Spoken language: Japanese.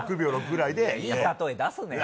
いい例え出すねぇ。